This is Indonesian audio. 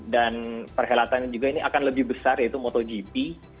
dan perhelatan juga ini akan lebih besar yaitu motogp